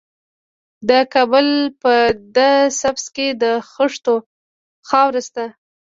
د کابل په ده سبز کې د خښتو خاوره شته.